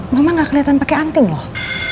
mama gak keliatan pake anting loh